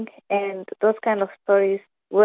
selalu di belakang pikiran saya